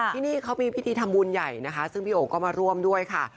ที่นี่เขามีพิธีทำบุญใหญ่นะคะซึ่งพี่โอ๋ก็มาร่วมด้วยค่ะ